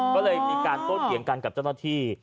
ก็เลยมีการโต้เถียงกันกับเจ้าหน้าที่